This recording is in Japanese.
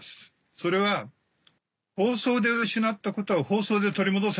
それは「放送で失ったことは放送で取り戻せ」。